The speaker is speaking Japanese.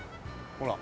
ほら。